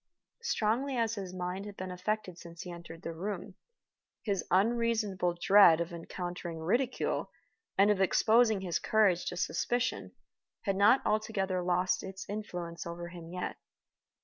Strongly as his mind had been affected since he had entered the room, his unreasonable dread of encountering ridicule and of exposing his courage to suspicion had not altogether lost its influence over him even yet.